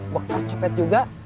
bekas cepet juga